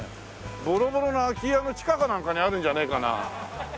ボロボロの空き家の地下かなんかにあるんじゃねえかな？